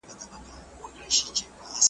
که هر څومره لږه ونډه ور رسیږي .